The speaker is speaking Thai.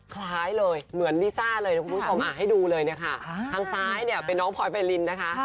คล้ายเลยเหมือนลิซ่าเลยนะคุณผู้ชมให้ดูเลยเนี่ยค่ะทางซ้ายเนี่ยเป็นน้องพลอยใบลินนะคะ